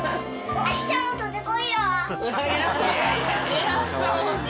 偉そうに。